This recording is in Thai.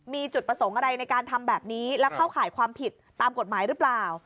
มีจุดประสงค์อะไรในการทำแบบนี้แล้วเข้าข่ายความผิดตามกฎหมายหรือเปล่า